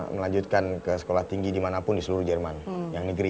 melanjutkan ke sekolah tinggi dimanapun di seluruh jerman yang negeri